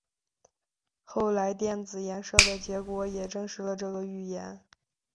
后来电子衍射的结果也证实了这个预言。